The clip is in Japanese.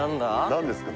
何ですか？